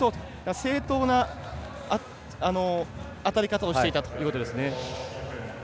正当な当たり方をしていたということですね。